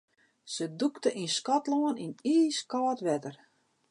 Se dûkte yn Skotlân yn iiskâld wetter.